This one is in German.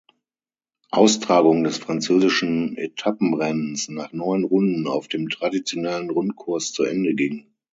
Austragung des französischen Etappenrennens nach neun Runden auf dem traditionellen Rundkurs zu Ende ging.